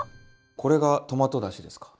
これがトマトだしですか。